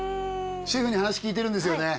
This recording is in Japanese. シェフに話聞いてるんですよね？